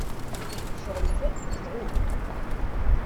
Tceɣlemt akk, neɣ uhu?